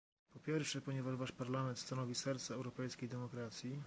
po pierwsze, ponieważ wasz Parlament stanowi serce europejskiej demokracji